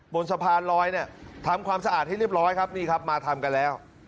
บนสะพานลอยเนี่ยทำความสะอาดให้เรียบร้อยครับนี่ครับมาทำกันแล้ว